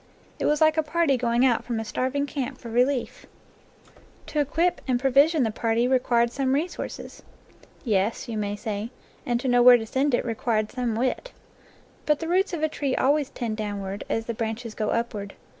It was like a party going out from a starving camp for relief. To equip and pro 10 NATURE LORE vision the party required some resources. "Yes," you may say, "and to know where to send it re quired some wit." But the roots of a tree always tend downward, as the branches go upward.